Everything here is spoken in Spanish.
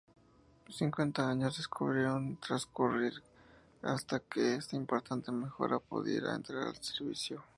Cincuenta años debieron transcurrir hasta que esta importante mejora pudiera entrar en servicio.